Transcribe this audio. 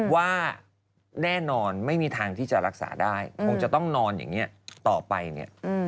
ทุกคนก็คงจะดูแลกันเลย